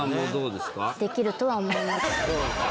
できるとは思います。